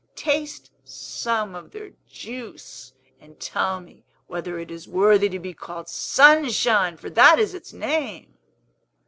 Taste some of their juice, and tell me whether it is worthy to be called Sunshine! for that is its name."